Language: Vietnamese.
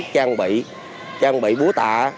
trang bị búa tạ